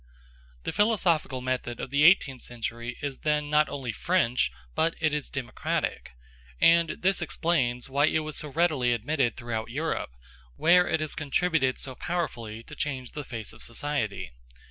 The philosophical method of the eighteenth century is then not only French, but it is democratic; and this explains why it was so readily admitted throughout Europe, where it has contributed so powerfully to change the face of society.